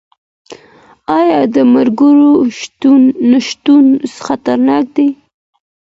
آيا د ملګرو نشتون خطرناک دی؟